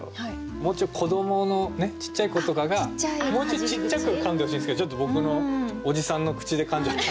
もうちょい子どものちっちゃい子とかがもうちょいちっちゃくかんでほしいんですけどちょっと僕のおじさんの口でかんじゃったんで。